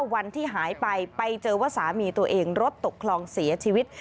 วันที่หายไปไปเจอว่าสามีตัวเองรถตกคลองเสียชีวิต